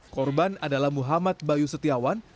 korban adalah muhammad bayu setiawan